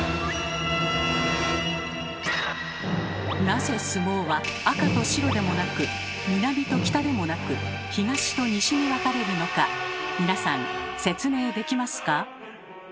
なぜ相撲は「赤」と「白」でもなく「南」と「北」でもなく「東」と「西」に分かれるのか皆さん説明できますか？